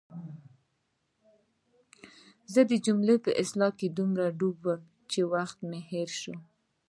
زه د جملو په اصلاح دومره ډوب وم چې وخت مې هېر شو.